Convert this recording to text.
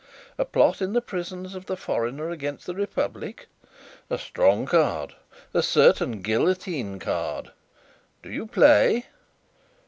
A plot in the prisons, of the foreigner against the Republic. A strong card a certain Guillotine card! Do you play?"